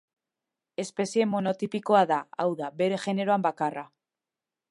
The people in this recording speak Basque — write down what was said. Espezie monotipikoa da, hau da, bere generoan bakarra.